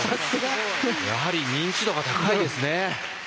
やはり認知度が高いですね。